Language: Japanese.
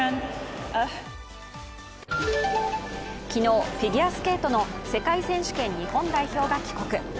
昨日、フィギュアスケートの世界選手権日本代表が帰国。